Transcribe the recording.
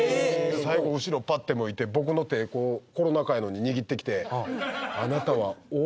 最後後ろパッて向いて僕の手こうコロナ禍やのに握ってきて「あなたは大阪背負ってるんですから」。